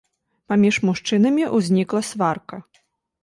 Паміж мужчынамі ўзнікла сварка.